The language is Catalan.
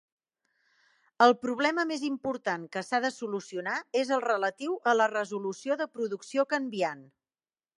El problema més important que s'ha de solucionar és el relatiu a la resolució de producció canviant.